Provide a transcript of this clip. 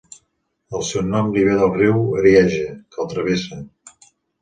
El seu nom li ve del riu Arieja que el travessa.